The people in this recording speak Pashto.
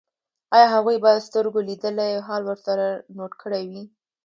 ایا هغوی به سترګو لیدلی حال ورسره نوټ کړی وي